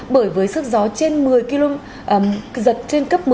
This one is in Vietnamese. bởi với sức gió trên một mươi km giật trên cấp một mươi